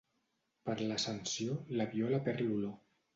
Per l'Ascensió, la viola perd l'olor.